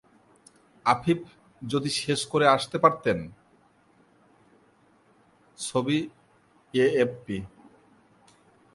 আফিফ যদি শেষ করে আসতে পারতেন! ছবি: এএফপি